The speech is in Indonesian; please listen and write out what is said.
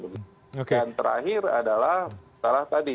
dan terakhir adalah salah tadi